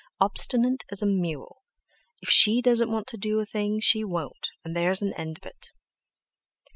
Obstinate as a mule! If she doesn't want to do a thing, she won't, and there's an end of it!"